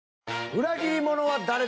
裏切者は誰だ？